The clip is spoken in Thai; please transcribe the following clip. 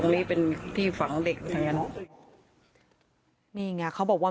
นี่ไงเขาบอกว่า